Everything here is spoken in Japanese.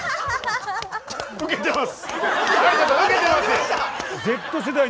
ウケてます！